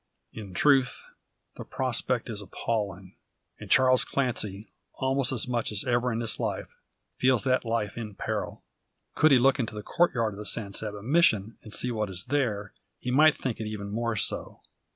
In truth, the prospect is appalling; and Charles Clancy, almost as much as ever in his life, feels that life in peril. Could he look into the courtyard of the San Saba Mission, and see what is there, he might think it even more so.